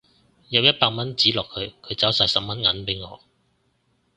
入一百蚊紙落去佢找晒十蚊銀俾我